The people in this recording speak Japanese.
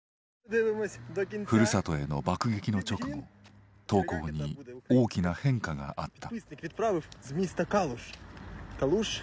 ふるさとへの爆撃の直後投稿に大きな変化があった。